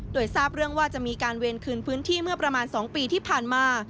โดยทราบเรื่องว่าจะมีการเวรคืนพื้นที่เมื่อประมาณ๒ปีที่ผ่านมา